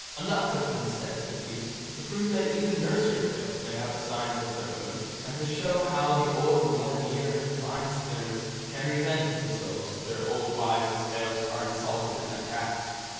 Enough has been said, at least, to prove that even nursery tales may have a science of their own, and to show how the old Nornir and divine spinners can revenge themselves if their old wives' tales are insulted and attacked.